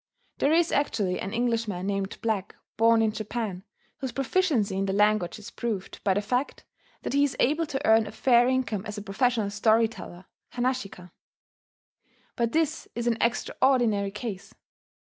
There is actually an Englishman named Black, born in Japan, whose proficiency in the language is proved by the fact that he is able to earn a fair income as a professional storyteller (hanashika). But this is an extraordinary case